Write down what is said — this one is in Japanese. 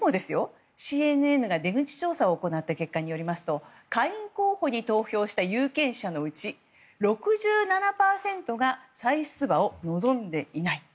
でも、ＣＮＮが出口調査を行った結果によりますと下院候補に投票した有権者のうち６７％が再出馬を望んでいない。